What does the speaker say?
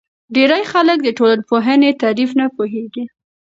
ډېری خلک د ټولنپوهنې تعریف نه پوهیږي.